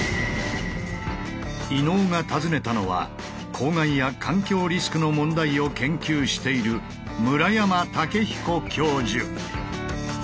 伊野尾が訪ねたのは公害や環境リスクの問題を研究している村山武彦教授。